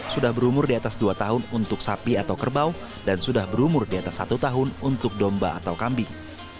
sudah berumur di atas dua tahun untuk sapi atau kerbau dan sudah berumur di atas satu tahun untuk domba atau kambing